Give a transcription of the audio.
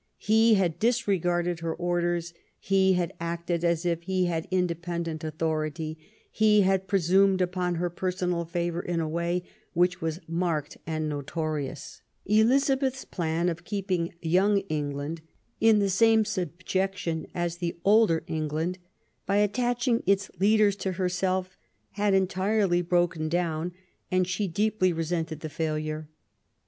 He had 288 Q VEEN ELIZA BE TH^ disregarded her orders ; he had acted as if ihe had independent authority; he had presumed upon her personal favour in a way which was marked and notorious. Elizabeth's plan of keeping young Eng land in the same subjection as ther older England, by attaching its leaders to herself, had entirely broken down, and she deeply resented the failure.